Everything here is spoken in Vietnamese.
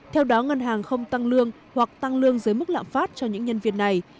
theo đó ngân hàng không tăng lương hoặc tăng lương dưới mức lạm phát cho những nhân viên này